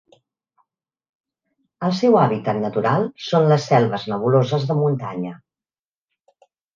El seu hàbitat natural són les selves nebuloses de muntanya.